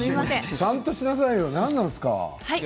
ちゃんとしなさいよ何なんですか。